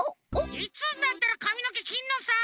いつになったらかみのけきるのさ！